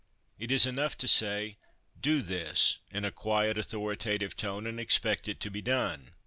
It is enough to say, ' Do this,' in a quiet, authoritative tone, and expect it to be done.